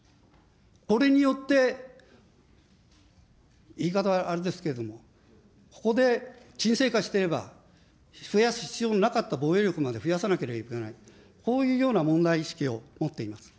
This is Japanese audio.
これによって、言い方はあれですけれども、ここで沈静化していれば、増やす必要のなかった防衛力まで増やさなけりゃいけない、こういうような問題意識を持っています。